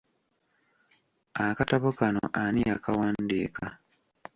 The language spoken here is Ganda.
Akatabo kano ani yakawandiika?